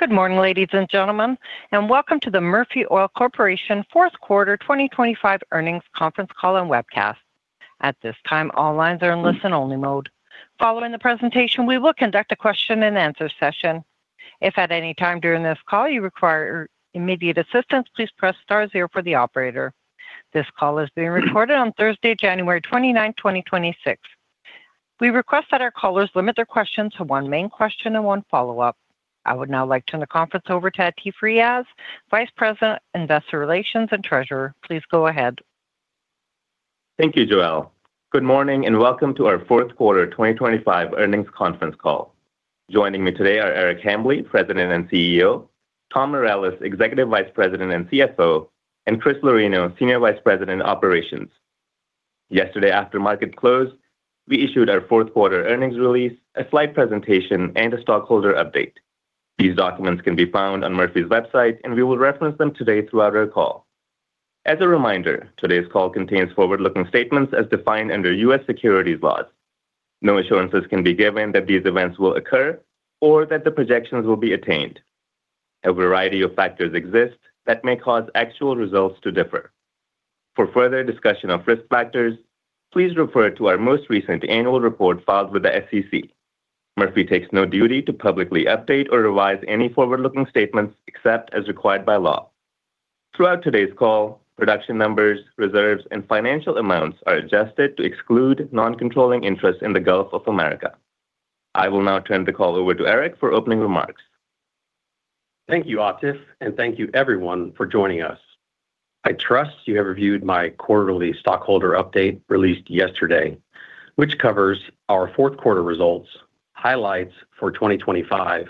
Good morning, ladies and gentlemen, and welcome to the Murphy Oil Corporation Fourth Quarter 2025 Earnings Conference Call and Webcast. At this time, all lines are in listen-only mode. Following the presentation, we will conduct a question-and-answer session. If at any time during this call you require immediate assistance, please press star zero for the operator. This call is being recorded on Thursday, January 29, 2026. We request that our callers limit their questions to one main question and one follow-up. I would now like to turn the conference over to Atif Riaz, Vice President, Investor Relations and Treasurer. Please go ahead. Thank you, Joelle. Good morning and welcome to our Fourth Quarter 2025 Earnings Conference Call. Joining me today are Eric Hambly, President and CEO, Tom Mireles, Executive Vice President and CFO, and Chris Lorino, Senior Vice President, Operations. Yesterday, after market close, we issued our Fourth Quarter Earnings release, a slide presentation, and a stockholder update. These documents can be found on Murphy's website, and we will reference them today throughout our call. As a reminder, today's call contains forward-looking statements as defined under U.S. securities laws. No assurances can be given that these events will occur or that the projections will be attained. A variety of factors exist that may cause actual results to differ. For further discussion of risk factors, please refer to our most recent annual report filed with the SEC. Murphy takes no duty to publicly update or revise any forward-looking statements except as required by law. Throughout today's call, production numbers, reserves, and financial amounts are adjusted to exclude non-controlling interests in the Gulf of America. I will now turn the call over to Eric for opening remarks. Thank you, Atif, and thank you, everyone, for joining us. I trust you have reviewed my quarterly stockholder update released yesterday, which covers our fourth quarter results, highlights for 2025,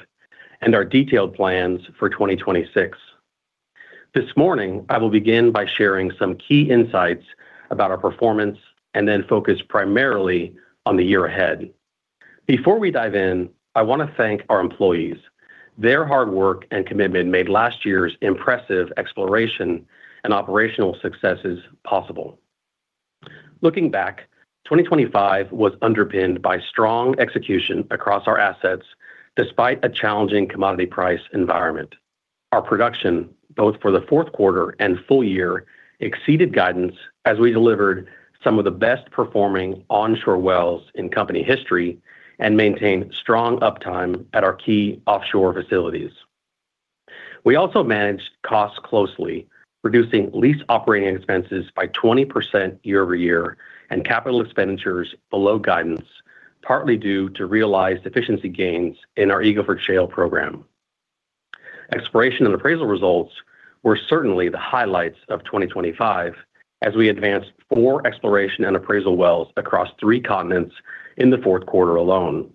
and our detailed plans for 2026. This morning, I will begin by sharing some key insights about our performance and then focus primarily on the year ahead. Before we dive in, I want to thank our employees. Their hard work and commitment made last year's impressive exploration and operational successes possible. Looking back, 2025 was underpinned by strong execution across our assets despite a challenging commodity price environment. Our production, both for the fourth quarter and full year, exceeded guidance as we delivered some of the best-performing onshore wells in company history and maintained strong uptime at our key offshore facilities. We also managed costs closely, reducing lease operating expenses by 20% year-over-year and capital expenditures below guidance, partly due to realized efficiency gains in our Eagle Ford Shale program. Exploration and appraisal results were certainly the highlights of 2025 as we advanced four exploration and appraisal wells across three continents in the fourth quarter alone.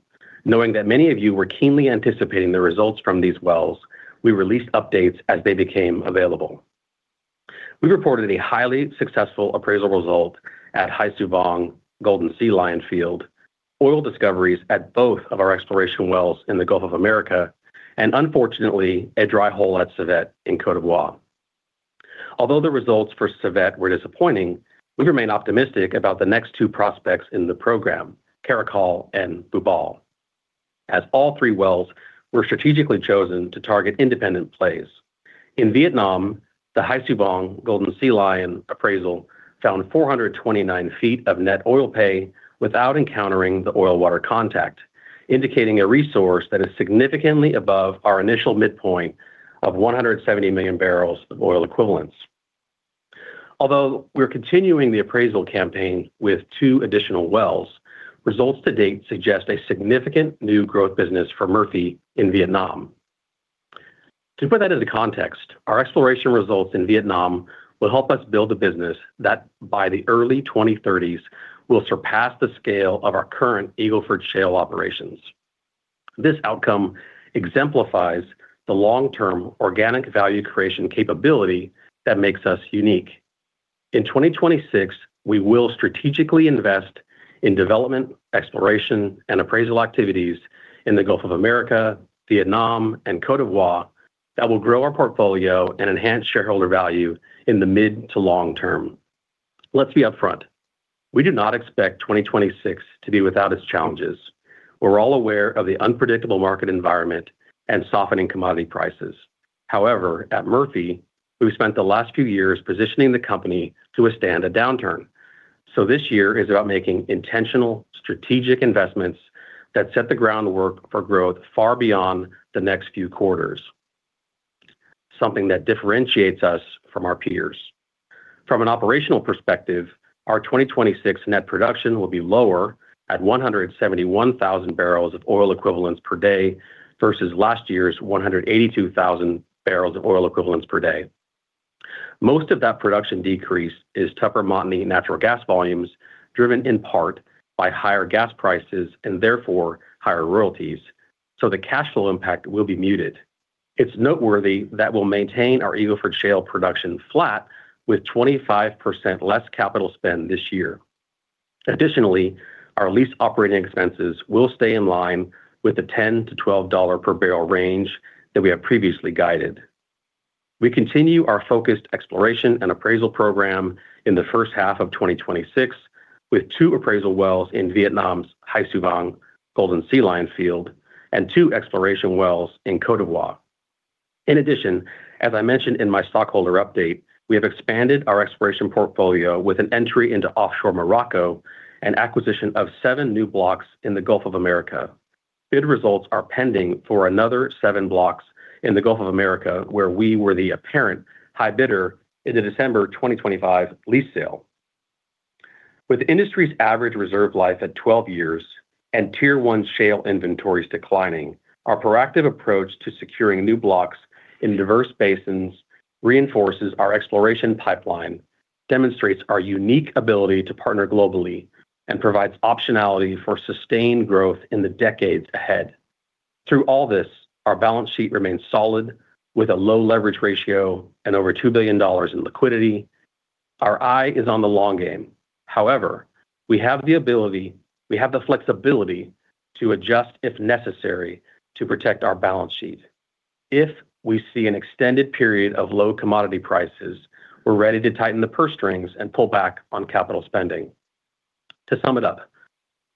Knowing that many of you were keenly anticipating the results from these wells, we released updates as they became available. We reported a highly successful appraisal result at Hai Su Vang, Golden Sea Lion field, oil discoveries at both of our exploration wells in the Gulf of America, and unfortunately, a dry hole at Civette in Côte d'Ivoire. Although the results for Civette were disappointing, we remained optimistic about the next two prospects in the program, Caracal and Bubal. As all three wells were strategically chosen to target independent plays. In Vietnam, the Hai Su Vang, Golden Sea Lion appraisal found 429 feet of net oil pay without encountering the oil-water contact, indicating a resource that is significantly above our initial midpoint of 170 million barrels of oil equivalent. Although we're continuing the appraisal campaign with two additional wells, results to date suggest a significant new growth business for Murphy in Vietnam. To put that into context, our exploration results in Vietnam will help us build a business that by the early 2030s will surpass the scale of our current Eagle Ford Shale operations. This outcome exemplifies the long-term organic value creation capability that makes us unique. In 2026, we will strategically invest in development, exploration, and appraisal activities in the Gulf of America, Vietnam, and Côte d'Ivoire that will grow our portfolio and enhance shareholder value in the mid to long term. Let's be upfront. We do not expect 2026 to be without its challenges. We're all aware of the unpredictable market environment and softening commodity prices. However, at Murphy, we've spent the last few years positioning the company to withstand a downturn. So this year is about making intentional, strategic investments that set the groundwork for growth far beyond the next few quarters, something that differentiates us from our peers. From an operational perspective, our 2026 net production will be lower at 171,000 barrels of oil equivalents per day versus last year's 182,000 barrels of oil equivalents per day. Most of that production decrease is Tupper Montney natural gas volumes, driven in part by higher gas prices and therefore higher royalties. So the cash flow impact will be muted. It's noteworthy that we'll maintain our Eagle Ford Shale production flat with 25% less capital spend this year. Additionally, our lease operating expenses will stay in line with the $10-$12 per barrel range that we have previously guided. We continue our focused exploration and appraisal program in the first half of 2026 with two appraisal wells in Vietnam's Hai Su Vang, Golden Sea Lion field, and two exploration wells in Côte d'Ivoire. In addition, as I mentioned in my stockholder update, we have expanded our exploration portfolio with an entry into offshore Morocco and acquisition of seven new blocks in the Gulf of America. Bid results are pending for another seven blocks in the Gulf of America, where we were the apparent high bidder in the December 2025 lease sale. With the industry's average reserve life at 12 years and Tier 1 shale inventories declining, our proactive approach to securing new blocks in diverse basins reinforces our exploration pipeline, demonstrates our unique ability to partner globally, and provides optionality for sustained growth in the decades ahead. Through all this, our balance sheet remains solid with a low leverage ratio and over $2 billion in liquidity. Our eye is on the long game. However, we have the ability. We have the flexibility to adjust if necessary to protect our balance sheet. If we see an extended period of low commodity prices, we're ready to tighten the purse strings and pull back on capital spending. To sum it up,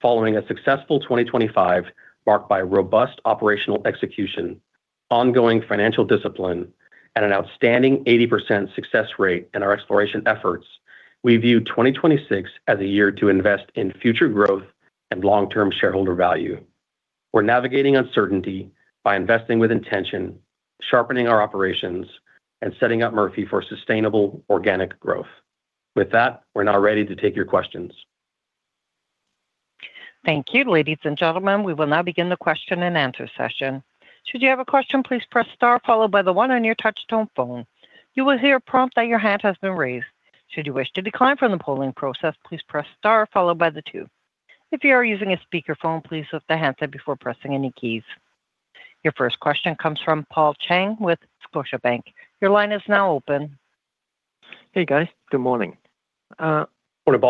following a successful 2025 marked by robust operational execution, ongoing financial discipline, and an outstanding 80% success rate in our exploration efforts, we view 2026 as a year to invest in future growth and long-term shareholder value. We're navigating uncertainty by investing with intention, sharpening our operations, and setting up Murphy for sustainable organic growth. With that, we're now ready to take your questions. Thank you, ladies and gentlemen. We will now begin the question-and-answer session. Should you have a question, please press star followed by one on your touchtone phone. You will hear a prompt that your hand has been raised. Should you wish to decline from the polling process, please press star followed by 2. If you are using a speakerphone, please lift the handset before pressing any keys. Your first question comes from Paul Cheng with Scotiabank. Your line is now open. Hey, guys. Good morning. Good morning,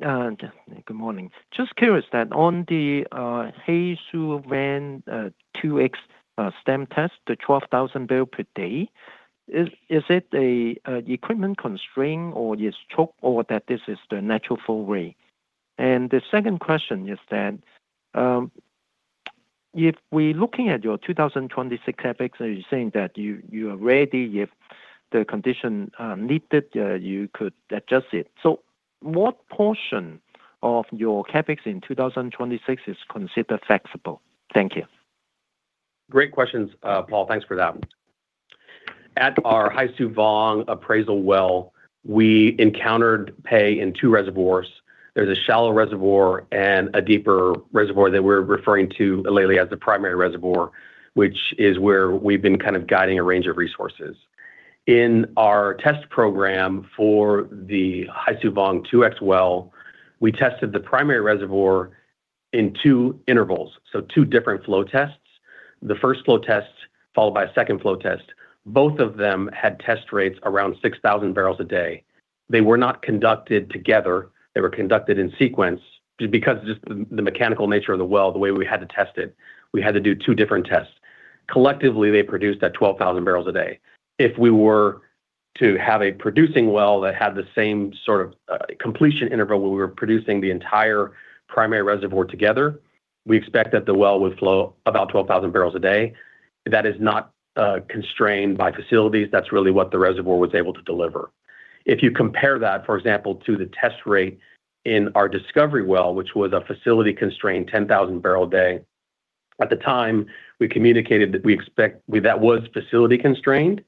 Paul. Good morning. Just curious that on the Hai Su Vang 2X stem test, the 12,000 barrels per day, is it an equipment constraint or the stroke or that this is the natural flow rate? And the second question is that if we're looking at your 2026 CapEx, you're saying that you are ready if the condition needed, you could adjust it. So what portion of your CapEx in 2026 is considered flexible? Thank you. Great questions, Paul. Thanks for that. At our Hai Su Vang appraisal well, we encountered pay in two reservoirs. There's a shallow reservoir and a deeper reservoir that we're referring to lately as the primary reservoir, which is where we've been kind of guiding a range of resources. In our test program for the Hai Su Vang 2X well, we tested the primary reservoir in two intervals, so two different flow tests. The first flow test, followed by a second flow test, both of them had test rates around 6,000 barrels a day. They were not conducted together. They were conducted in sequence just because of just the mechanical nature of the well, the way we had to test it. We had to do two different tests. Collectively, they produced at 12,000 barrels a day. If we were to have a producing well that had the same sort of completion interval where we were producing the entire primary reservoir together, we expect that the well would flow about 12,000 barrels a day. That is not constrained by facilities. That's really what the reservoir was able to deliver. If you compare that, for example, to the test rate in our discovery well, which was a facility-constrained 10,000 barrel a day, at the time, we communicated that we expect that was facility-constrained,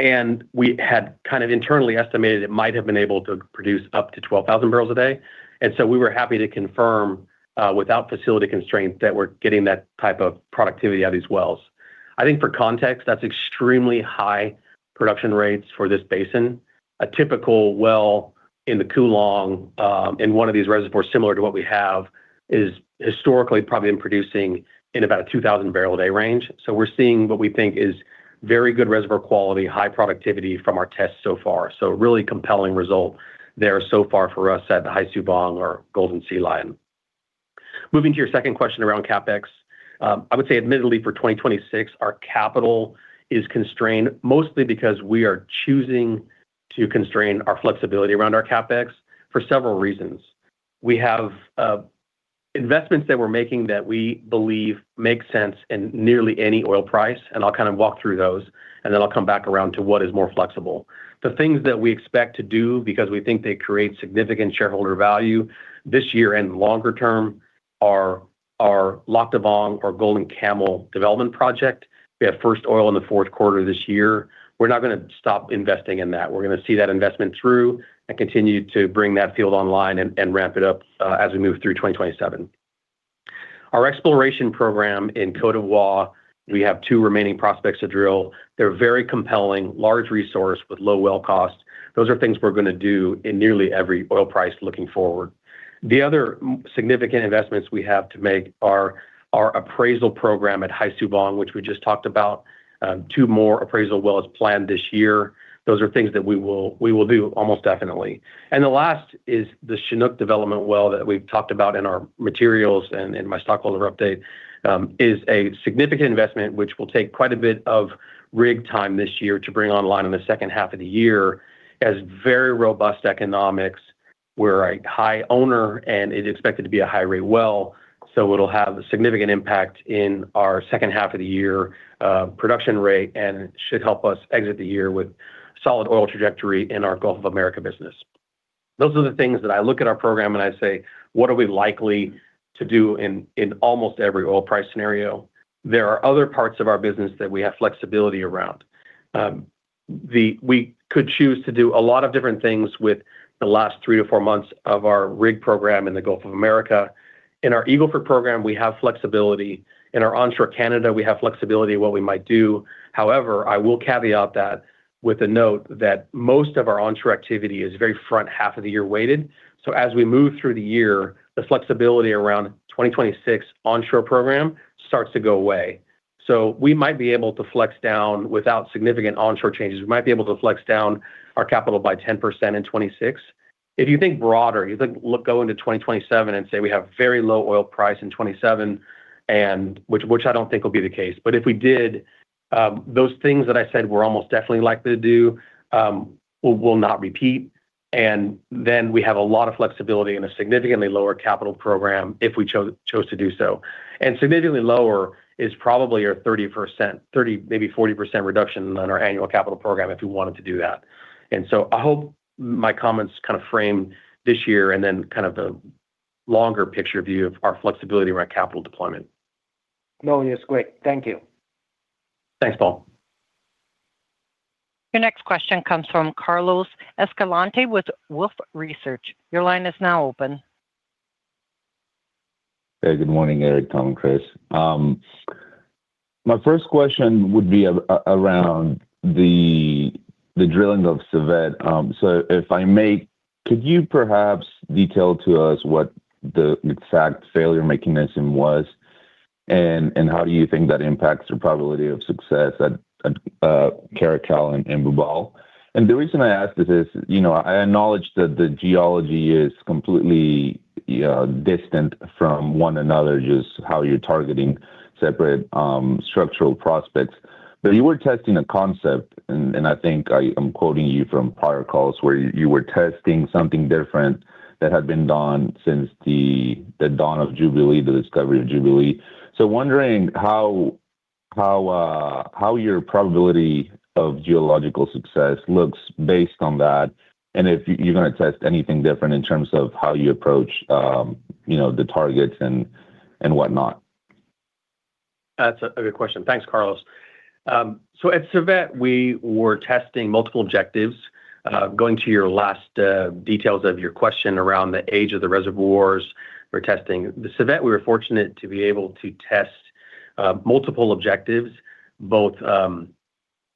and we had kind of internally estimated it might have been able to produce up to 12,000 barrels a day. And so we were happy to confirm without facility constraints that we're getting that type of productivity out of these wells. I think for context, that's extremely high production rates for this basin. A typical well in the Cuu Long, in one of these reservoirs similar to what we have, is historically probably been producing in about a 2,000-barrel-a-day range. So we're seeing what we think is very good reservoir quality, high productivity from our tests so far. So a really compelling result there so far for us at the Hai Su Vang or Golden Sea Lion. Moving to your second question around CapEx, I would say admittedly for 2026, our capital is constrained mostly because we are choosing to constrain our flexibility around our CapEx for several reasons. We have investments that we're making that we believe make sense in nearly any oil price, and I'll kind of walk through those, and then I'll come back around to what is more flexible. The things that we expect to do because we think they create significant shareholder value this year and longer term are our Lac Da Vang or Golden Camel development project. We have first oil in the fourth quarter this year. We're not going to stop investing in that. We're going to see that investment through and continue to bring that field online and ramp it up as we move through 2027. Our exploration program in Côte d'Ivoire, we have two remaining prospects to drill. They're very compelling, large resource with low well cost. Those are things we're going to do in nearly every oil price looking forward. The other significant investments we have to make are our appraisal program at Hai Su Vang, which we just talked about. Two more appraisal wells planned this year. Those are things that we will do almost definitely. The last is the Chinook development well that we've talked about in our materials and in my stockholder update is a significant investment, which will take quite a bit of rig time this year to bring online in the second half of the year as very robust economics where a high owner and it's expected to be a high-rate well, so it'll have a significant impact in our second half of the year production rate and should help us exit the year with solid oil trajectory in our Gulf of America business. Those are the things that I look at our program and I say, "What are we likely to do in almost every oil price scenario?" There are other parts of our business that we have flexibility around. We could choose to do a lot of different things with the last 3-4 months of our rig program in the Gulf of America. In our Eagle Ford program, we have flexibility. In our onshore Canada, we have flexibility of what we might do. However, I will caveat that with a note that most of our onshore activity is very front half of the year weighted. So as we move through the year, the flexibility around 2026 onshore program starts to go away. So we might be able to flex down without significant onshore changes. We might be able to flex down our capital by 10% in 2026. If you think broader, you think go into 2027 and say we have very low oil price in 2027, which I don't think will be the case. But if we did, those things that I said we're almost definitely likely to do will not repeat. And then we have a lot of flexibility in a significantly lower capital program if we chose to do so. And significantly lower is probably a 30%, maybe 40% reduction on our annual capital program if we wanted to do that. And so I hope my comments kind of frame this year and then kind of the longer picture view of our flexibility around capital deployment. No, it is great. Thank you. Thanks, Paul. Your next question comes from Carlos Escalante with Wolfe Research. Your line is now open. Good morning, Eric, Tom, and Chris. My first question would be around the drilling of Civette. So if I may, could you perhaps detail to us what the exact failure mechanism was and how do you think that impacts the probability of success at Caracal and Bubal? And the reason I ask this is I acknowledge that the geology is completely distant from one another, just how you're targeting separate structural prospects. But you were testing a concept, and I think I'm quoting you from prior calls where you were testing something different that had been done since the dawn of Jubilee, the discovery of Jubilee. So wondering how your probability of geological success looks based on that, and if you're going to test anything different in terms of how you approach the targets and whatnot. That's a good question. Thanks, Carlos. So at Civette, we were testing multiple objectives. Going to your last details of your question around the age of the reservoirs, we're testing. The Civette, we were fortunate to be able to test multiple objectives, both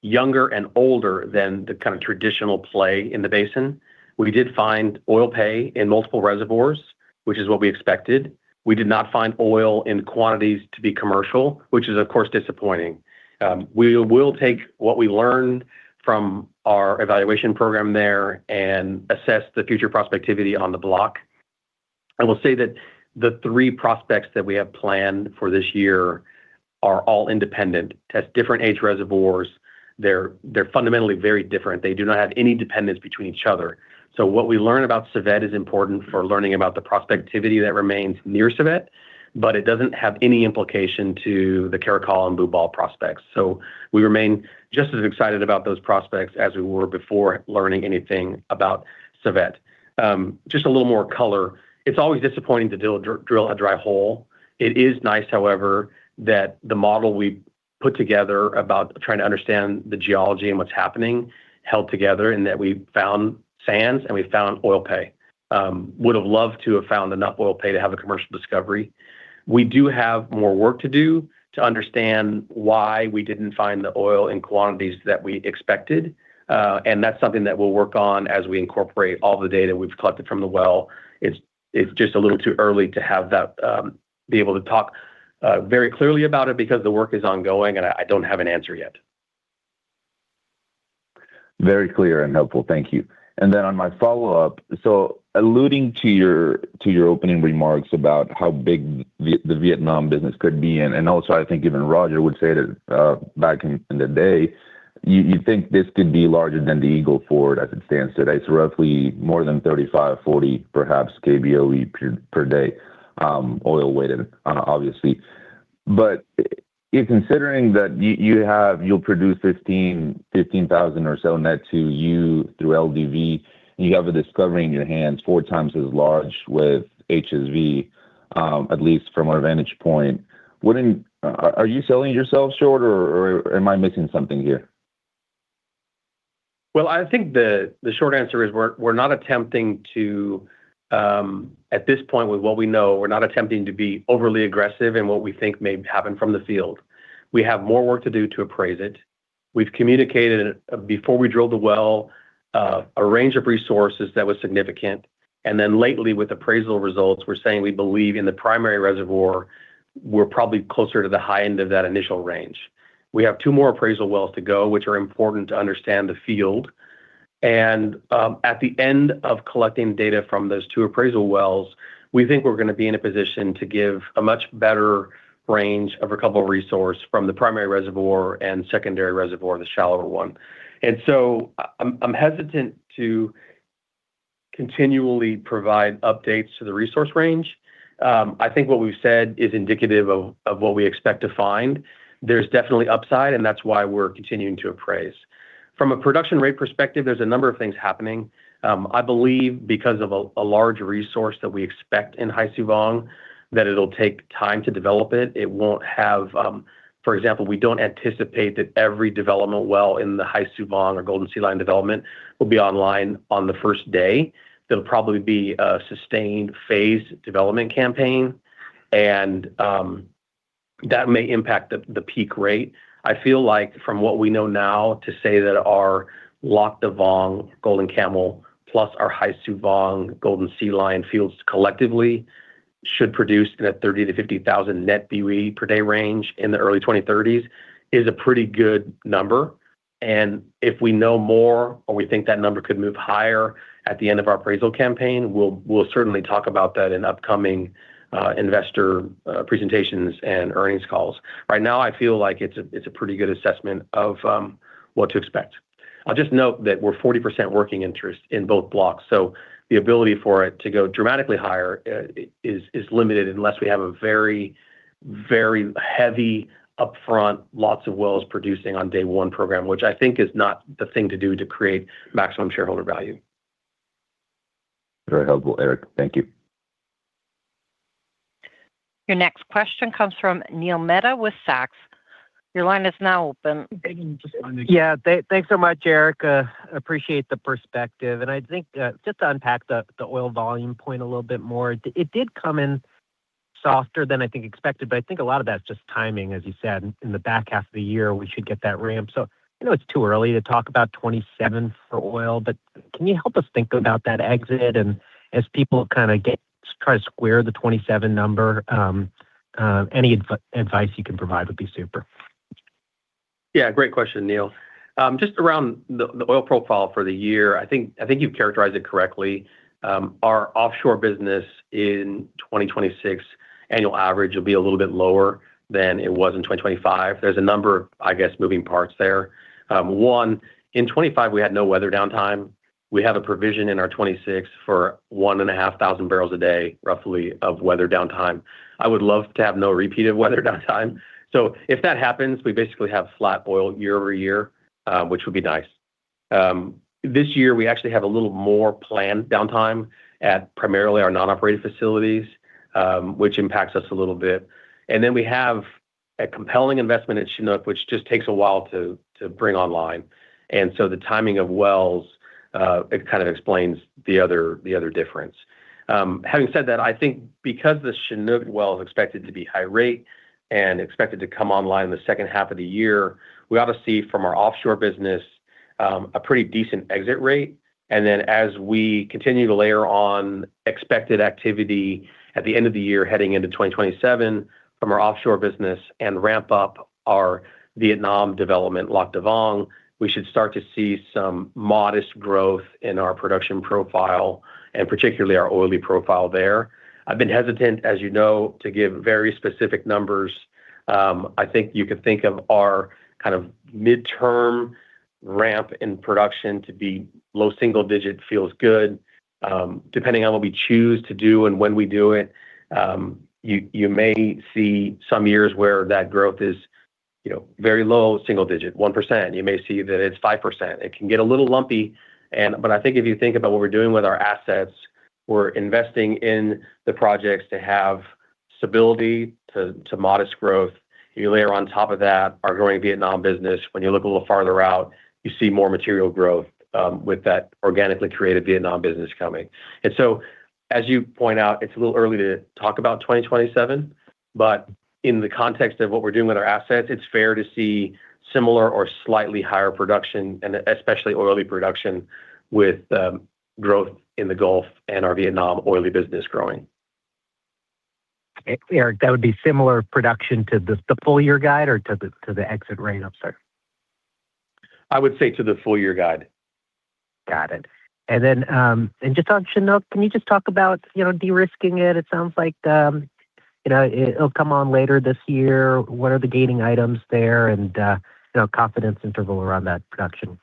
younger and older than the kind of traditional play in the basin. We did find oil pay in multiple reservoirs, which is what we expected. We did not find oil in quantities to be commercial, which is, of course, disappointing. We will take what we learned from our evaluation program there and assess the future prospectivity on the block. I will say that the three prospects that we have planned for this year are all independent. Test different age reservoirs. They're fundamentally very different. They do not have any dependence between each other. So what we learn about Civette is important for learning about the prospectivity that remains near Civette, but it doesn't have any implication to the Caracal and Bubal prospects. So we remain just as excited about those prospects as we were before learning anything about Civette. Just a little more color. It's always disappointing to drill a dry hole. It is nice, however, that the model we put together about trying to understand the geology and what's happening held together and that we found sands and we found oil pay. Would have loved to have found enough oil pay to have a commercial discovery. We do have more work to do to understand why we didn't find the oil in quantities that we expected. And that's something that we'll work on as we incorporate all the data we've collected from the well. It's just a little too early to be able to talk very clearly about it because the work is ongoing and I don't have an answer yet. Very clear and helpful. Thank you. And then on my follow-up, so alluding to your opening remarks about how big the Vietnam business could be, and also I think even Roger would say that back in the day, you think this could be larger than the Eagle Ford as it stands today. It's roughly more than 35-40, perhaps KBOE per day oil weighted, obviously. But considering that you'll produce 15,000 or so net to you through LDV, you have a discovery in your hands four times as large with HSV, at least from our vantage point. Are you selling yourself short or am I missing something here? Well, I think the short answer is we're not attempting to, at this point with what we know, we're not attempting to be overly aggressive in what we think may happen from the field. We have more work to do to appraise it. We've communicated before we drilled the well a range of resources that was significant. And then lately, with appraisal results, we're saying we believe in the primary reservoir, we're probably closer to the high end of that initial range. We have two more appraisal wells to go, which are important to understand the field. And at the end of collecting data from those two appraisal wells, we think we're going to be in a position to give a much better range of a couple of resources from the primary reservoir and secondary reservoir, the shallower one. And so I'm hesitant to continually provide updates to the resource range. I think what we've said is indicative of what we expect to find. There's definitely upside, and that's why we're continuing to appraise. From a production rate perspective, there's a number of things happening. I believe because of a large resource that we expect in Hai Su Vang, that it'll take time to develop it. It won't have, for example, we don't anticipate that every development well in the Hai Su Vang or Golden Sea Lion development will be online on the first day. There'll probably be a sustained phase development campaign, and that may impact the peak rate. I feel like from what we know now to say that our Lac Da Vang, Golden Camel, plus our Hai Su Vang, Golden Sea Lion fields collectively should produce in a 30,000-50,000 net BOE per day range in the early 2030s is a pretty good number. If we know more or we think that number could move higher at the end of our appraisal campaign, we'll certainly talk about that in upcoming investor presentations and earnings calls. Right now, I feel like it's a pretty good assessment of what to expect. I'll just note that we're 40% working interest in both blocks. The ability for it to go dramatically higher is limited unless we have a very, very heavy upfront lots of wells producing on day one program, which I think is not the thing to do to create maximum shareholder value. Very helpful, Eric. Thank you. Your next question comes from Neil Mehta with Goldman Sachs. Your line is now open. Yeah. Thanks so much, Eric. Appreciate the perspective. And I think just to unpack the oil volume point a little bit more, it did come in softer than I think expected, but I think a lot of that's just timing, as you said, in the back half of the year, we should get that ramp. So I know it's too early to talk about 2027 for oil, but can you help us think about that exit? And as people kind of try to square the 2027 number, any advice you can provide would be super. Yeah. Great question, Neil. Just around the oil profile for the year, I think you've characterized it correctly. Our offshore business in 2026 annual average will be a little bit lower than it was in 2025. There's a number of, I guess, moving parts there. One, in 2025, we had no weather downtime. We have a provision in our 2026 for 1,500 barrels a day, roughly, of weather downtime. I would love to have no repeat of weather downtime. So if that happens, we basically have flat oil year-over-year, which would be nice. This year, we actually have a little more planned downtime at primarily our non-operated facilities, which impacts us a little bit. And then we have a compelling investment at Chinook, which just takes a while to bring online. And so the timing of wells, it kind of explains the other difference. Having said that, I think because the Chinook well is expected to be high rate and expected to come online in the second half of the year, we ought to see from our offshore business a pretty decent exit rate. And then as we continue to layer on expected activity at the end of the year heading into 2027 from our offshore business and ramp up our Vietnam development, Lac Da Vang, we should start to see some modest growth in our production profile and particularly our oily profile there. I've been hesitant, as you know, to give very specific numbers. I think you could think of our kind of midterm ramp in production to be low single digit feels good. Depending on what we choose to do and when we do it, you may see some years where that growth is very low, single digit, 1%. You may see that it's 5%. It can get a little lumpy. But I think if you think about what we're doing with our assets, we're investing in the projects to have stability to modest growth. You layer on top of that our growing Vietnam business. When you look a little farther out, you see more material growth with that organically created Vietnam business coming. And so as you point out, it's a little early to talk about 2027, but in the context of what we're doing with our assets, it's fair to see similar or slightly higher production, and especially oily production with growth in the Gulf and our Vietnam oily business growing. Eric, that would be similar production to the full year guide or to the exit rate? I'm sorry. I would say to the full year guide. Got it. And then just on Chinook, can you just talk about de-risking it? It sounds like it'll come on later this year. What are the gating items there and confidence interval around that production?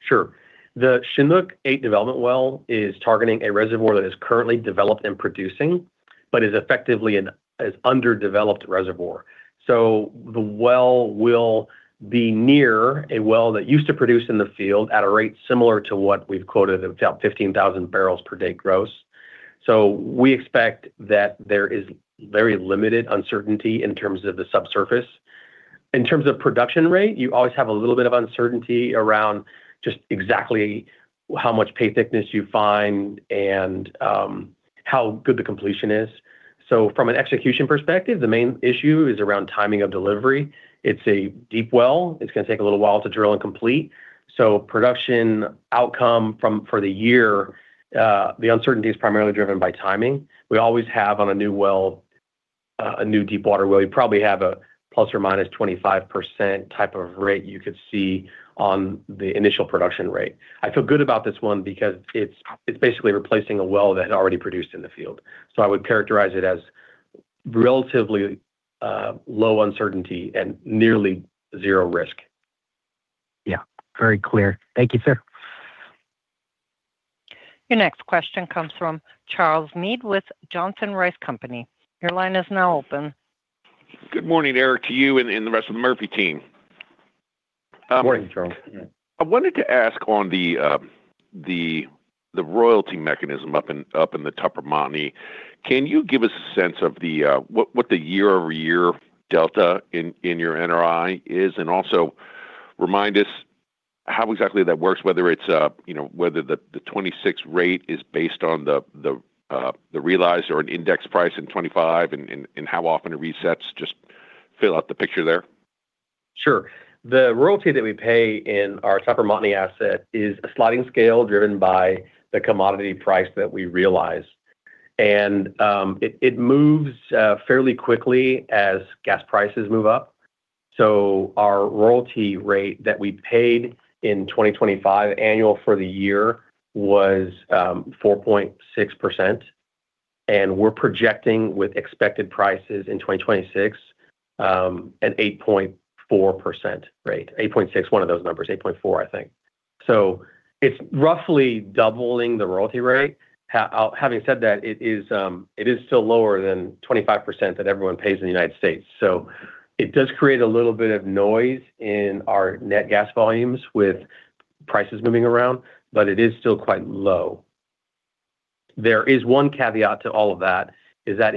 Sure. The Chinook 8 development well is targeting a reservoir that is currently developed and producing, but is effectively an underdeveloped reservoir. So the well will be near a well that used to produce in the field at a rate similar to what we've quoted of about 15,000 barrels per day gross. So we expect that there is very limited uncertainty in terms of the subsurface. In terms of production rate, you always have a little bit of uncertainty around just exactly how much pay thickness you find and how good the completion is. So from an execution perspective, the main issue is around timing of delivery. It's a deep well. It's going to take a little while to drill and complete. So production outcome for the year, the uncertainty is primarily driven by timing. We always have on a new deep water well, you probably have a ±25% type of rate you could see on the initial production rate. I feel good about this one because it's basically replacing a well that had already produced in the field. So I would characterize it as relatively low uncertainty and nearly zero risk. Yeah. Very clear. Thank you, sir. Your next question comes from Charles Meade with Johnson Rice & Company. Your line is now open. Good morning, Eric, to you and the rest of the Murphy team. Morning, Charles. I wanted to ask on the royalty mechanism up in the top of Montney. Can you give us a sense of what the year-over-year delta in your NRI is? And also remind us how exactly that works, whether the 2026 rate is based on the realized or an index price in 2025 and how often it resets. Just fill out the picture there. Sure. The royalty that we pay in our Tupper Montney asset is a sliding scale driven by the commodity price that we realize. And it moves fairly quickly as gas prices move up. So our royalty rate that we paid in 2025 annual for the year was 4.6%. And we're projecting with expected prices in 2026 an 8.4% rate. 8.6, one of those numbers, 8.4, I think. So it's roughly doubling the royalty rate. Having said that, it is still lower than 25% that everyone pays in the United States. So it does create a little bit of noise in our net gas volumes with prices moving around, but it is still quite low. There is one caveat to all of that is that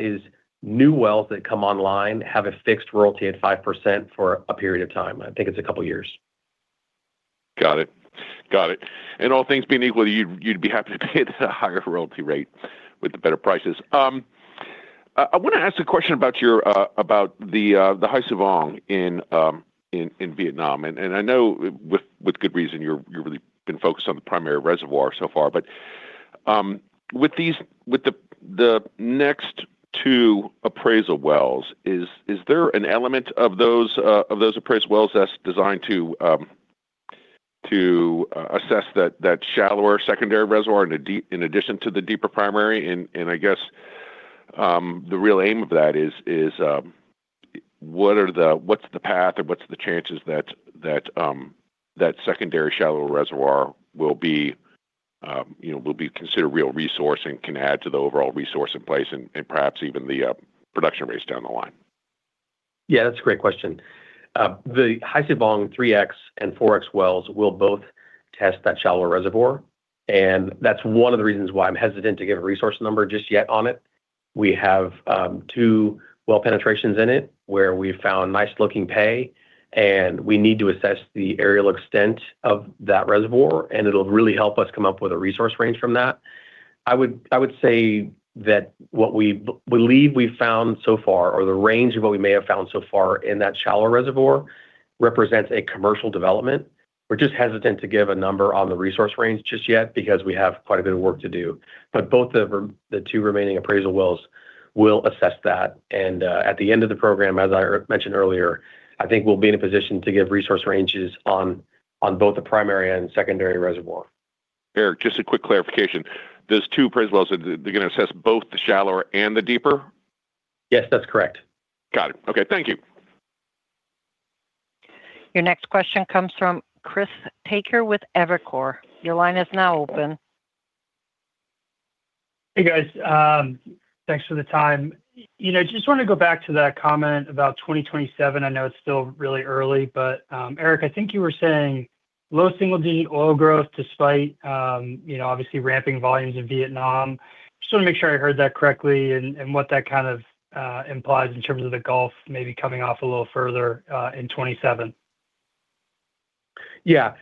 new wells that come online have a fixed royalty at 5% for a period of time. I think it's a couple of years. Got it. Got it. In all things being equal, you'd be happy to pay a higher royalty rate with the better prices. I want to ask a question about the Hai Su Vang in Vietnam. I know with good reason you've really been focused on the primary reservoir so far. But with the next two appraisal wells, is there an element of those appraisal wells that's designed to assess that shallower secondary reservoir in addition to the deeper primary? I guess the real aim of that is what's the path or what's the chances that that secondary shallow reservoir will be considered a real resource and can add to the overall resource in place and perhaps even the production rates down the line? Yeah, that's a great question. The Hai Su Vang 3X and 4X wells will both test that shallower reservoir. And that's one of the reasons why I'm hesitant to give a resource number just yet on it. We have two well penetrations in it where we've found nice-looking pay, and we need to assess the areal extent of that reservoir, and it'll really help us come up with a resource range from that. I would say that what we believe we've found so far or the range of what we may have found so far in that shallower reservoir represents a commercial development. We're just hesitant to give a number on the resource range just yet because we have quite a bit of work to do. But both of the two remaining appraisal wells will assess that. At the end of the program, as I mentioned earlier, I think we'll be in a position to give resource ranges on both the primary and secondary reservoir. Eric, just a quick clarification. Those two appraisal wells, they're going to assess both the shallower and the deeper? Yes, that's correct. Got it. Okay. Thank you. Your next question comes from Chris Whittaker with Evercore. Your line is now open. Hey, guys. Thanks for the time. Just want to go back to that comment about 2027. I know it's still really early, but Eric, I think you were saying low single-digit oil growth despite obviously ramping volumes in Vietnam. Just want to make sure I heard that correctly and what that kind of implies in terms of the Gulf maybe coming off a little further in 2027. Yeah.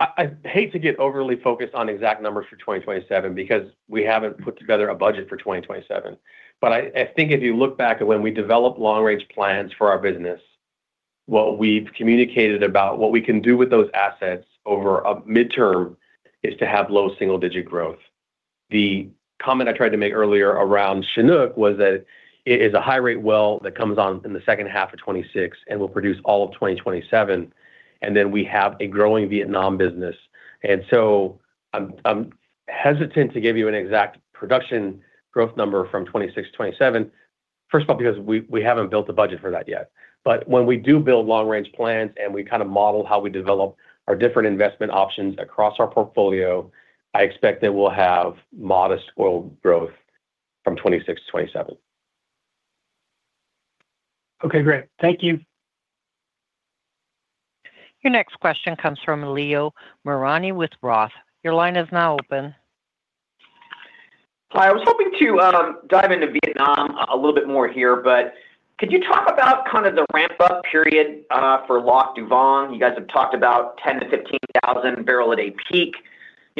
I hate to get overly focused on exact numbers for 2027 because we haven't put together a budget for 2027. But I think if you look back at when we developed long-range plans for our business, what we've communicated about what we can do with those assets over a midterm is to have low single-digit growth. The comment I tried to make earlier around Chinook was that it is a high-rate well that comes on in the second half of 2026 and will produce all of 2027, and then we have a growing Vietnam business. And so I'm hesitant to give you an exact production growth number from 2026 to 2027, first of all, because we haven't built a budget for that yet. But when we do build long-range plans and we kind of model how we develop our different investment options across our portfolio, I expect that we'll have modest oil growth from 2026 to 2027. Okay. Great. Thank you. Your next question comes from Leo Mariani with Roth. Your line is now open. Hi. I was hoping to dive into Vietnam a little bit more here, but could you talk about kind of the ramp-up period for Lac Da Vang? You guys have talked about 10,000-15,000 barrels at a peak.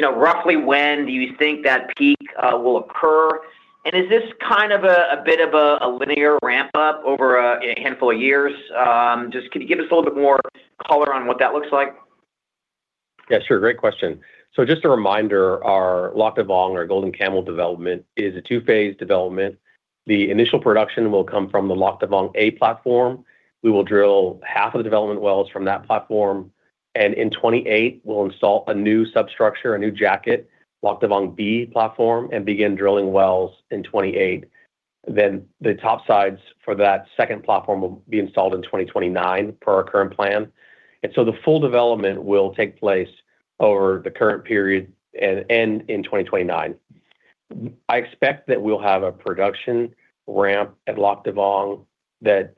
Roughly when do you think that peak will occur? And is this kind of a bit of a linear ramp-up over a handful of years? Just could you give us a little bit more color on what that looks like? Yeah. Sure. Great question. So just a reminder, our Lac Da Vang, our Golden Camel development, is a two-phase development. The initial production will come from the Lac Da Vang A platform. We will drill half of the development wells from that platform. In 2028, we'll install a new substructure, a new jacket, Lac Da Vang B platform, and begin drilling wells in 2028. Then the topsides for that second platform will be installed in 2029 per our current plan. And so the full development will take place over the current period and end in 2029. I expect that we'll have a production ramp at Lac Da Vang that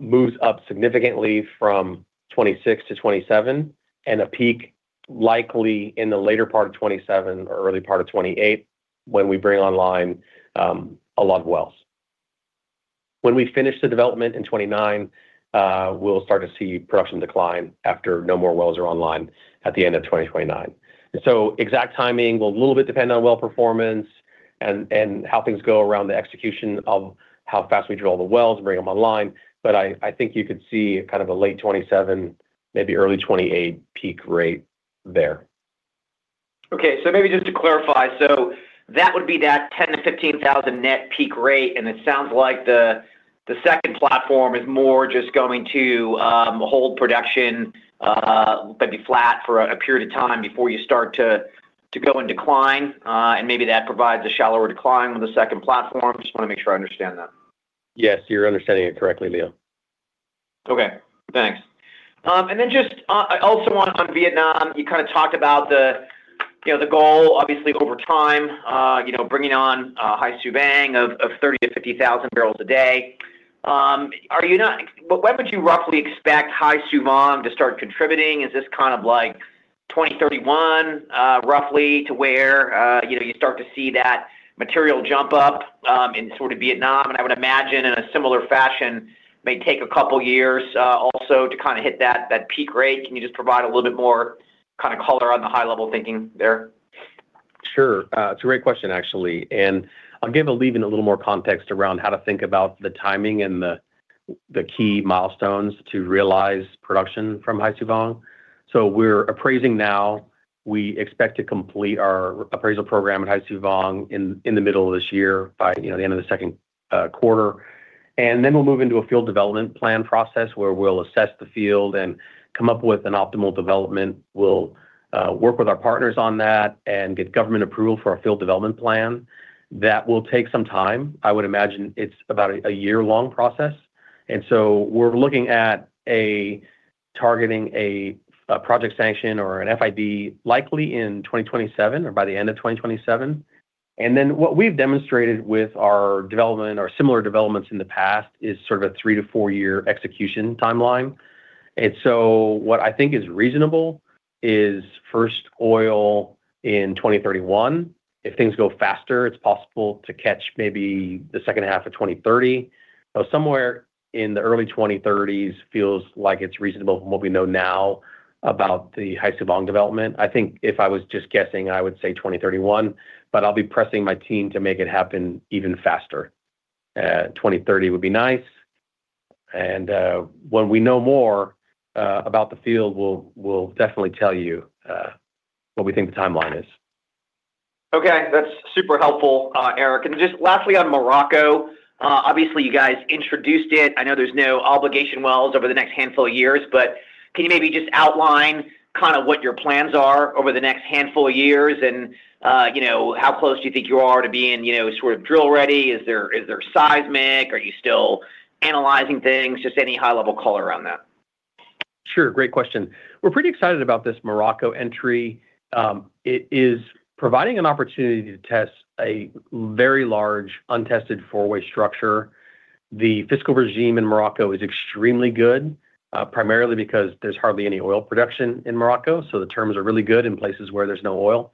moves up significantly from 2026 to 2027 and a peak likely in the later part of 2027 or early part of 2028 when we bring online a lot of wells. When we finish the development in 2029, we'll start to see production decline after no more wells are online at the end of 2029. So exact timing will a little bit depend on well performance and how things go around the execution of how fast we drill the wells and bring them online. But I think you could see kind of a late 2027, maybe early 2028 peak rate there. Okay. So maybe just to clarify, so that would be that 10,000-15,000 net peak rate. And it sounds like the second platform is more just going to hold production, maybe flat for a period of time before you start to go and decline. And maybe that provides a shallower decline with the second platform. Just want to make sure I understand that. Yes. You're understanding it correctly, Leo. Okay. Thanks. And then just also on Vietnam, you kind of talked about the goal, obviously, over time, bringing on Hai Su Vang of 30-50 thousand barrels a day. When would you roughly expect Hai Su Vang to start contributing? Is this kind of like 2031, roughly, to where you start to see that material jump up in sort of Vietnam? And I would imagine in a similar fashion, may take a couple of years also to kind of hit that peak rate. Can you just provide a little bit more kind of color on the high-level thinking there? Sure. It's a great question, actually. And I'll give Leo a little more context around how to think about the timing and the key milestones to realize production from Hai Su Vang. So we're appraising now. We expect to complete our appraisal program at Hai Su Vang in the middle of this year by the end of the second quarter. And then we'll move into a field development plan process where we'll assess the field and come up with an optimal development. We'll work with our partners on that and get government approval for a field development plan. That will take some time. I would imagine it's about a year-long process. And so we're looking at targeting a project sanction or an FID likely in 2027 or by the end of 2027. Then what we've demonstrated with our development or similar developments in the past is sort of a 3- to 4-year execution timeline. What I think is reasonable is first oil in 2031. If things go faster, it's possible to catch maybe the second half of 2030. Somewhere in the early 2030s feels like it's reasonable from what we know now about the Hai Su Vang development. I think if I was just guessing, I would say 2031, but I'll be pressing my team to make it happen even faster. 2030 would be nice. When we know more about the field, we'll definitely tell you what we think the timeline is. Okay. That's super helpful, Eric. And just lastly on Morocco, obviously, you guys introduced it. I know there's no obligation wells over the next handful of years, but can you maybe just outline kind of what your plans are over the next handful of years and how close do you think you are to being sort of drill-ready? Is there seismic? Are you still analyzing things? Just any high-level color around that. Sure. Great question. We're pretty excited about this Morocco entry. It is providing an opportunity to test a very large untested four-way structure. The fiscal regime in Morocco is extremely good, primarily because there's hardly any oil production in Morocco. So the terms are really good in places where there's no oil.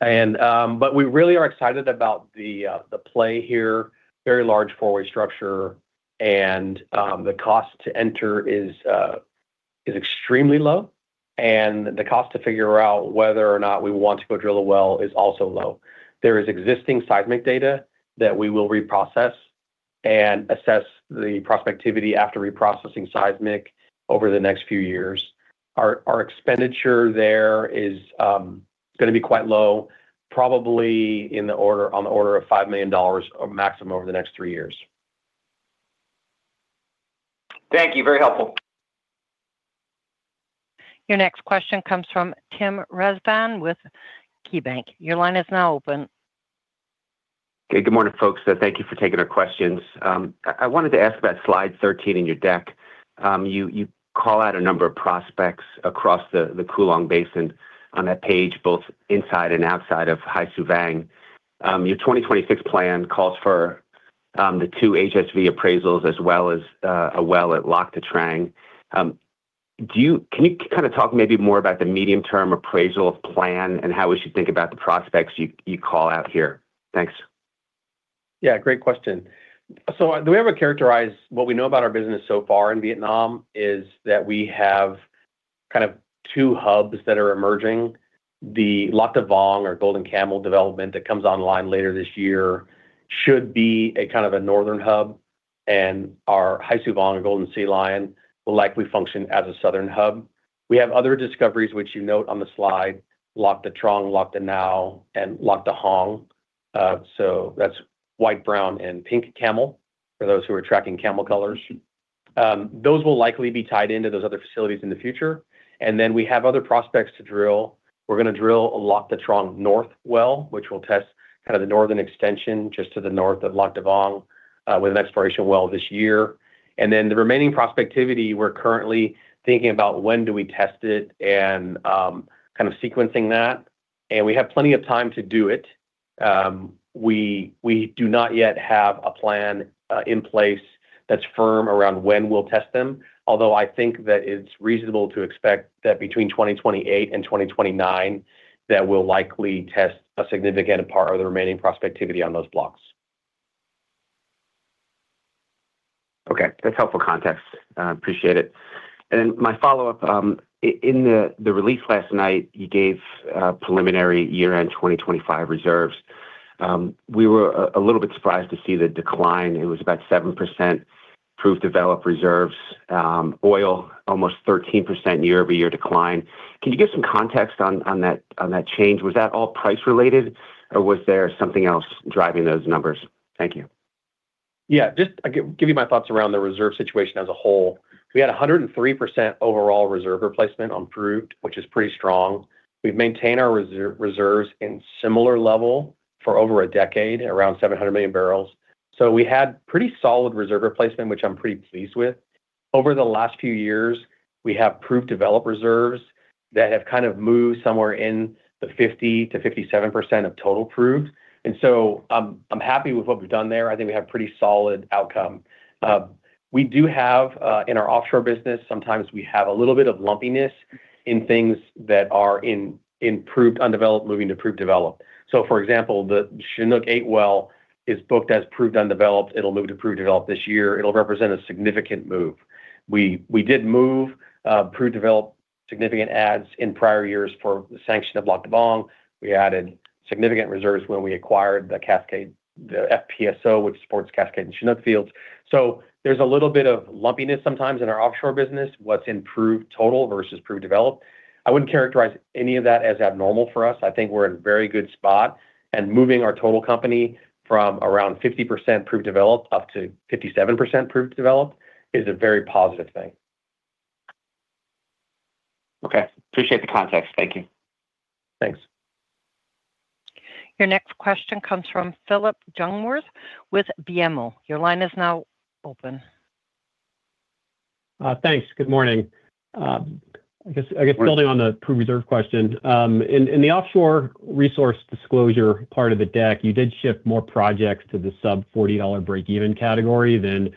But we really are excited about the play here, very large four-way structure, and the cost to enter is extremely low. And the cost to figure out whether or not we want to go drill a well is also low. There is existing seismic data that we will reprocess and assess the prospectivity after reprocessing seismic over the next few years. Our expenditure there is going to be quite low, probably on the order of $5 million maximum over the next three years. Thank you. Very helpful. Your next question comes from Tim Rezvan with KeyBanc. Your line is now open. Okay. Good morning, folks. Thank you for taking our questions. I wanted to ask about slide 13 in your deck. You call out a number of prospects across the Cuu Long Basin on that page, both inside and outside of Hai Su Vang. Your 2026 plan calls for the two HSV appraisals as well as a well at Lac Da Trang. Can you kind of talk maybe more about the medium-term appraisal plan and how we should think about the prospects you call out here? Thanks. Yeah. Great question. So the way I would characterize what we know about our business so far in Vietnam is that we have kind of two hubs that are emerging. The Lac Da Vang or Golden Camel development that comes online later this year should be kind of a northern hub, and our Hai Su Vang and Golden Sea Lion will likely function as a southern hub. We have other discoveries, which you note on the slide: Lac Da Trang, Lac Da Nau, and Lac Da Hong. So that's white, brown, and pink camel for those who are tracking camel colors. Those will likely be tied into those other facilities in the future. And then we have other prospects to drill. We're going to drill a Lac Da Vang north well, which will test kind of the northern extension just to the north of Lac Da Vang with an exploration well this year. And then the remaining prospectivity, we're currently thinking about when do we test it and kind of sequencing that. And we have plenty of time to do it. We do not yet have a plan in place that's firm around when we'll test them, although I think that it's reasonable to expect that between 2028 and 2029 that we'll likely test a significant part of the remaining prospectivity on those blocks. Okay. That's helpful context. Appreciate it. And then my follow-up. In the release last night, you gave preliminary year-end 2025 reserves. We were a little bit surprised to see the decline. It was about 7% proved developed reserves. Oil, almost 13% year-over-year decline. Can you give some context on that change? Was that all price-related, or was there something else driving those numbers? Thank you. Yeah. Just give you my thoughts around the reserve situation as a whole. We had 103% overall reserve replacement on proved, which is pretty strong. We've maintained our reserves in similar level for over a decade, around 700 million barrels. So we had pretty solid reserve replacement, which I'm pretty pleased with. Over the last few years, we have proved developed reserves that have kind of moved somewhere in the 50%-57% of total proved. And so I'm happy with what we've done there. I think we have a pretty solid outcome. We do have in our offshore business, sometimes we have a little bit of lumpiness in things that are in proved undeveloped moving to proved developed. So for example, the Chinook 8 well is booked as proved undeveloped. It'll move to proved developed this year. It'll represent a significant move. We did move proved developed significant adds in prior years for the sanction of Lac Da Vang. We added significant reserves when we acquired the FPSO, which supports cascading Chinook fields. So there's a little bit of lumpiness sometimes in our offshore business. What's in proved total versus proved developed? I wouldn't characterize any of that as abnormal for us. I think we're in a very good spot. And moving our total company from around 50% proved developed up to 57% proved developed is a very positive thing. Okay. Appreciate the context. Thank you. Thanks. Your next question comes from Phillip Jungwirth with BMO. Your line is now open. Thanks. Good morning. I guess building on the proved reserve question, in the offshore resource disclosure part of the deck, you did shift more projects to the sub-$40 break-even category than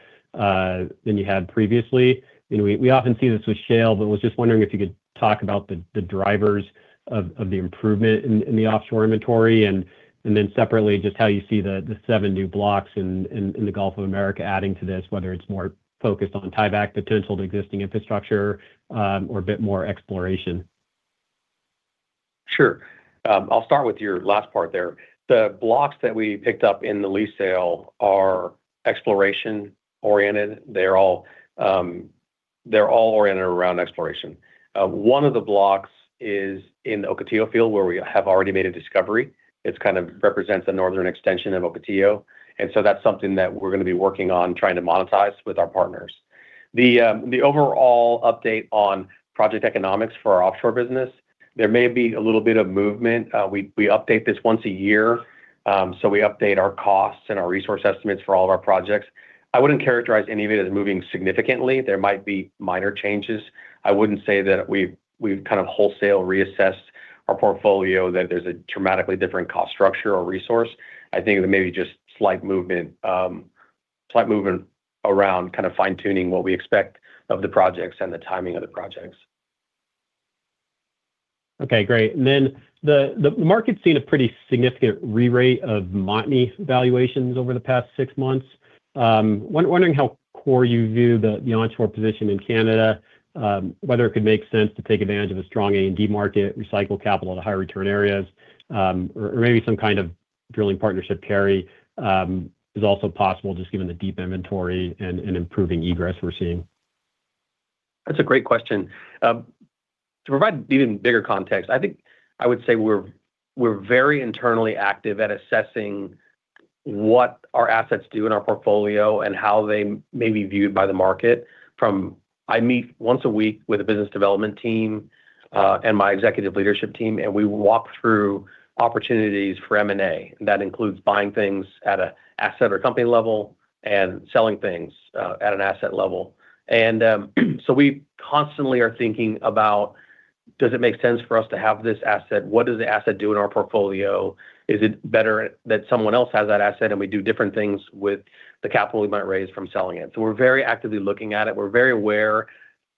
you had previously. And we often see this with shale, but I was just wondering if you could talk about the drivers of the improvement in the offshore inventory, and then separately, just how you see the 7 new blocks in the Gulf of America adding to this, whether it's more focused on tie-back potential to existing infrastructure or a bit more exploration. Sure. I'll start with your last part there. The blocks that we picked up in the lease sale are exploration-oriented. They're all oriented around exploration. One of the blocks is in the Ocotillo field where we have already made a discovery. It kind of represents a northern extension of Ocotillo. And so that's something that we're going to be working on trying to monetize with our partners. The overall update on project economics for our offshore business, there may be a little bit of movement. We update this once a year. So we update our costs and our resource estimates for all of our projects. I wouldn't characterize any of it as moving significantly. There might be minor changes. I wouldn't say that we've kind of wholesale reassessed our portfolio, that there's a dramatically different cost structure or resource. I think there may be just slight movement around kind of fine-tuning what we expect of the projects and the timing of the projects. Okay. Great. And then the market's seen a pretty significant re-rate of Montney valuations over the past six months. Wondering how core you view the onshore position in Canada, whether it could make sense to take advantage of a strong A&D market, recycle capital to high return areas, or maybe some kind of drilling partnership carry is also possible just given the deep inventory and improving egress we're seeing. That's a great question. To provide even bigger context, I think I would say we're very internally active at assessing what our assets do in our portfolio and how they may be viewed by the market from. I meet once a week with a business development team and my executive leadership team, and we walk through opportunities for M&A. That includes buying things at an asset or company level and selling things at an asset level. And so we constantly are thinking about, does it make sense for us to have this asset? What does the asset do in our portfolio? Is it better that someone else has that asset and we do different things with the capital we might raise from selling it? So we're very actively looking at it. We're very aware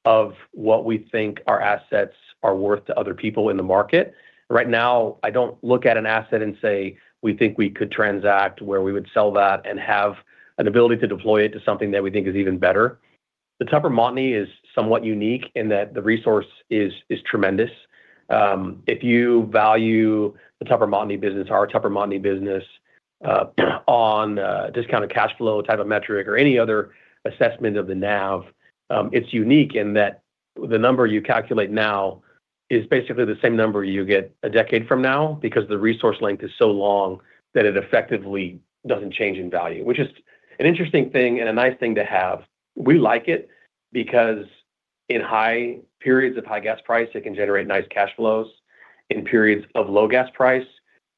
of what we think our assets are worth to other people in the market Right now, I don't look at an asset and say, we think we could transact where we would sell that and have an ability to deploy it to something that we think is even better. The Tupper Montney is somewhat unique in that the resource is tremendous. If you value the Tupper Montney business, our Tupper Montney business on discounted cash flow type of metric or any other assessment of the NAV, it's unique in that the number you calculate now is basically the same number you get a decade from now because the resource length is so long that it effectively doesn't change in value, which is an interesting thing and a nice thing to have. We like it because in periods of high gas price, it can generate nice cash flows. In periods of low gas price,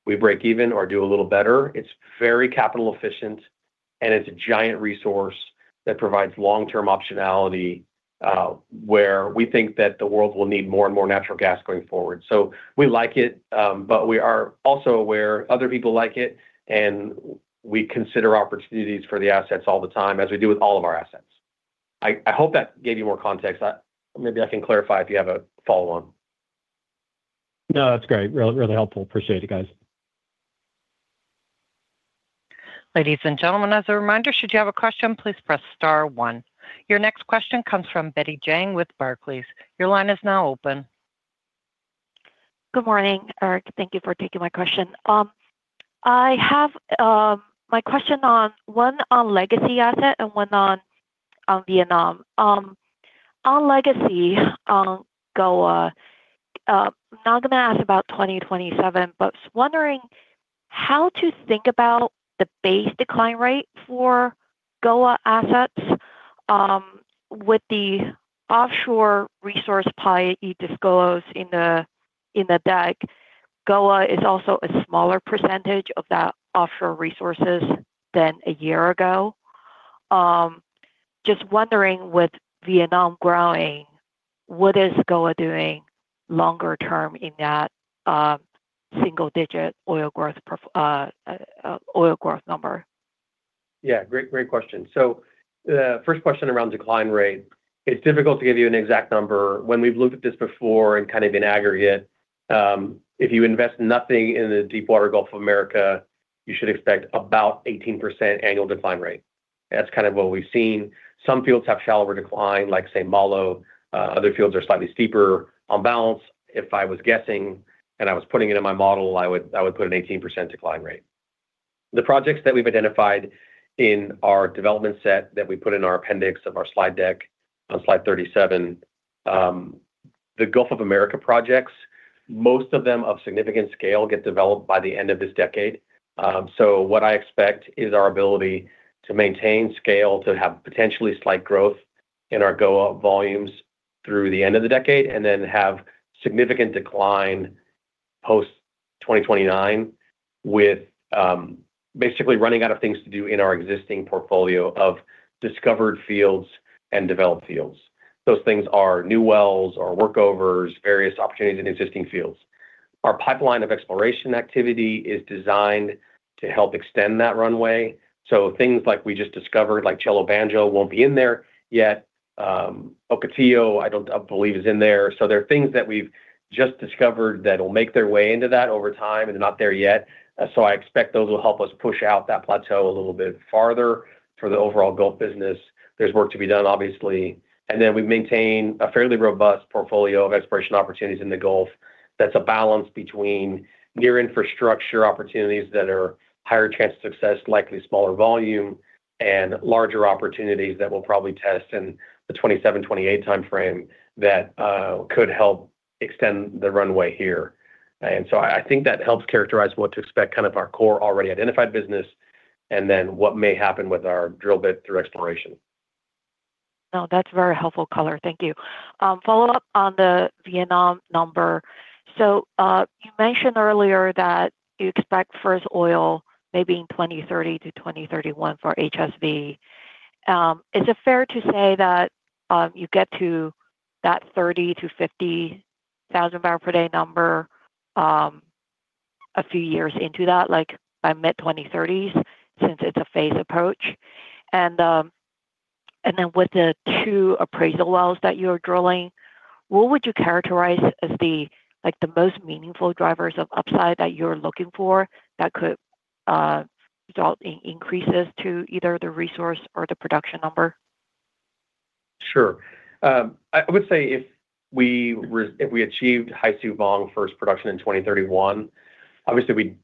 we break even or do a little better. It's very capital efficient, and it's a giant resource that provides long-term optionality where we think that the world will need more and more natural gas going forward. So we like it, but we are also aware other people like it, and we consider opportunities for the assets all the time, as we do with all of our assets. I hope that gave you more context. Maybe I can clarify if you have a follow-on. No, that's great. Really helpful. Appreciate it, guys. Ladies and gentlemen, as a reminder, should you have a question, please press star one. Your next question comes from Betty Jiang with Barclays. Your line is now open. Good morning, Eric. Thank you for taking my question. My question on one on legacy asset and one on Vietnam. On legacy on GOA, I'm not going to ask about 2027, but wondering how to think about the base decline rate for GOA assets with the offshore resource pie you disclosed in the deck. GOA is also a smaller percentage of that offshore resources than a year ago. Just wondering with Vietnam growing, what is GOA doing longer term in that single-digit oil growth number? Yeah. Great question. So the first question around decline rate, it's difficult to give you an exact number. When we've looked at this before and kind of in aggregate, if you invest nothing in the deepwater Gulf of America, you should expect about 18% annual decline rate. That's kind of what we've seen. Some fields have shallower decline, like say St. Malo. Other fields are slightly steeper. On balance, if I was guessing and I was putting it in my model, I would put an 18% decline rate. The projects that we've identified in our development set that we put in our appendix of our slide deck on slide 37, the Gulf of America projects, most of them of significant scale get developed by the end of this decade. So what I expect is our ability to maintain scale, to have potentially slight growth in our GOA volumes through the end of the decade, and then have significant decline post-2029 with basically running out of things to do in our existing portfolio of discovered fields and developed fields. Those things are new wells or workovers, various opportunities in existing fields. Our pipeline of exploration activity is designed to help extend that runway. So things like we just discovered, like Chello Banjo won't be in there yet. Ocotillo, I don't believe is in there. So there are things that we've just discovered that will make their way into that over time, and they're not there yet. So I expect those will help us push out that plateau a little bit farther for the overall Gulf business. There's work to be done, obviously. We maintain a fairly robust portfolio of exploration opportunities in the Gulf. That's a balance between near-infrastructure opportunities that are higher chance of success, likely smaller volume, and larger opportunities that we'll probably test in the 2027, 2028 timeframe that could help extend the runway here. So I think that helps characterize what to expect kind of our core already identified business and then what may happen with our drill bit through exploration. No, that's very helpful color. Thank you. Follow-up on the Vietnam number. So you mentioned earlier that you expect first oil maybe in 2030-2031 for HSV. Is it fair to say that you get to that 30,000-50,000 barrel per day number a few years into that, like by mid-2030s, since it's a phased approach? And then with the two appraisal wells that you are drilling, what would you characterize as the most meaningful drivers of upside that you're looking for that could result in increases to either the resource or the production number? Sure. I would say if we achieved Hai Su Vang first production in 2031, obviously we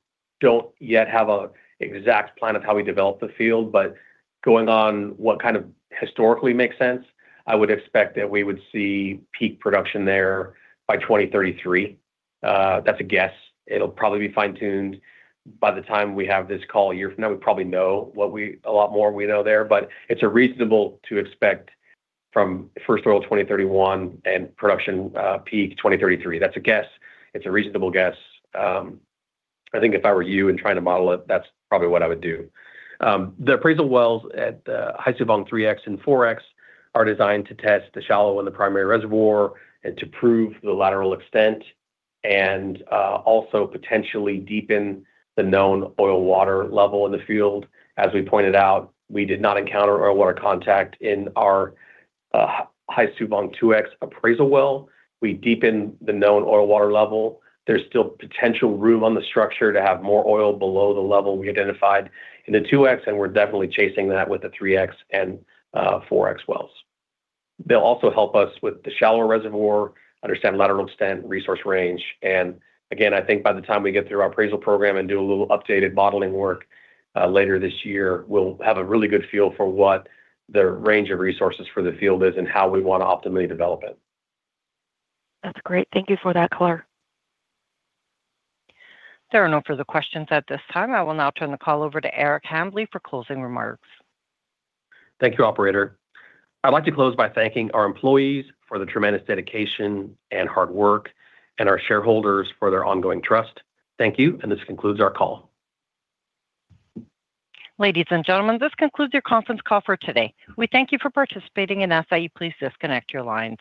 don't yet have an exact plan of how we develop the field, but going on what kind of historically makes sense, I would expect that we would see peak production there by 2033. That's a guess. It'll probably be fine-tuned by the time we have this call a year from now. We probably know a lot more there, but it's reasonable to expect from first oil 2031 and production peak 2033. That's a guess. It's a reasonable guess. I think if I were you and trying to model it, that's probably what I would do. The appraisal wells at the Hai Su Vang 3X and 4X are designed to test the shallow and the primary reservoir and to prove the lateral extent and also potentially deepen the known oil-water level in the field. As we pointed out, we did not encounter oil-water contact in our Hai Su Vang 2X appraisal well. We deepened the known oil-water level. There's still potential room on the structure to have more oil below the level we identified in the 2X, and we're definitely chasing that with the 3X and 4X wells. They'll also help us with the shallow reservoir, understand lateral extent, resource range. And again, I think by the time we get through our appraisal program and do a little updated modeling work later this year, we'll have a really good feel for what the range of resources for the field is and how we want to optimally develop it. That's great. Thank you for that color. There are no further questions at this time. I will now turn the call over to Eric Hambly for closing remarks. Thank you, Operator. I'd like to close by thanking our employees for the tremendous dedication and hard work and our shareholders for their ongoing trust. Thank you, and this concludes our call. Ladies and gentlemen, this concludes your conference call for today. We thank you for participating in. Please disconnect your lines.